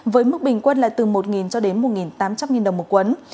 với mức bình quân là từ một cho đến một tám trăm linh đồng một quấn